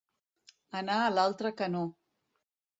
Anar a l'altre canó.